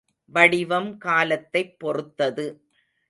வடிவம் கலத்தைப் பொறுத்தது.